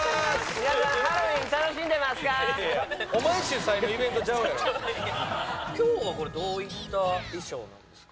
皆さん今日はこれどういった衣装なんですか？